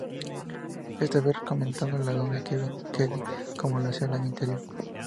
Esta vez comentando al lado de Kevin Kelly como lo hacía el año anterior.